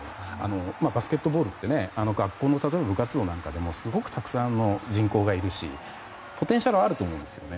バスケットボールって学校の部活動なんかでもすごくたくさんの人口がいるしポテンシャルはあると思うんですよね。